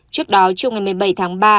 trước đó trưa ngày một mươi bảy tháng ba